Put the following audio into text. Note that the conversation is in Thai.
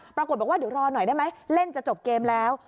ปรากฏว่าเดี๋ยวรอหน่อยได้ไหมเล่นจะจบเกมแล้ว